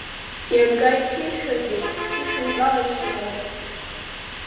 Иага иҽишәаргьы, ҭышәынтәалашьа имоут.